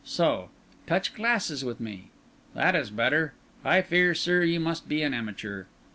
So! Touch glasses with me. That is better. I fear, sir, you must be an amateur."